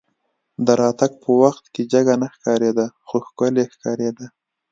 د راتګ په وخت کې جګه نه ښکارېده خو ښکلې ښکارېده.